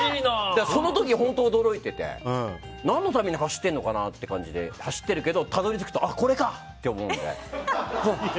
その時、本当に驚いてて何のために走っているのかなと走っているけどたどり着くとこれか！って思う。